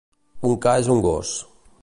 Un ca és un gos.